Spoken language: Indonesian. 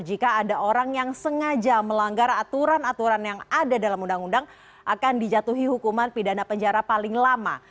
jika ada orang yang sengaja melanggar aturan aturan yang ada dalam undang undang akan dijatuhi hukuman pidana penjara paling lama